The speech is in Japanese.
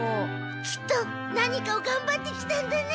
きっと何かをがんばってきたんだね。